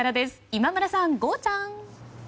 今村さん、ゴーちゃん。。